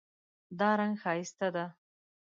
دا رنګ ښایسته ده